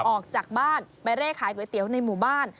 ออกจากบ้านไปเร่ขายก๋วยเตี๋ยวในหมู่บ้าน